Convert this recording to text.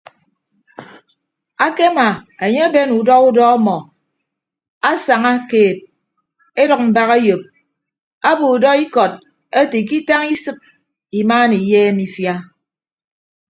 Akemaa enye eben udọ udọ ọmọ asaña keed edʌk mbak eyop abo udọ ikọd ete ikitañ isịp imaana iyeem ifia.